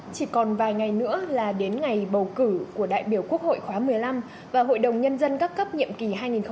chỉ còn vài ngày nữa là đến ngày bầu cử của đại biểu quốc hội khóa một mươi năm và hội đồng nhân dân các cấp nhiệm kỳ hai nghìn hai mươi một hai nghìn hai mươi sáu